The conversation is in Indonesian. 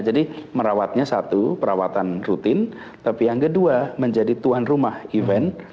jadi merawatnya satu perawatan rutin tapi yang kedua menjadi tuan rumah event